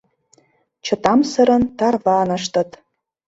Чытамсырын тарваныштыт.